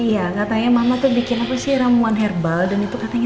iya katanya mama tuh bikin apa sih ramuan herbal dan itu katanya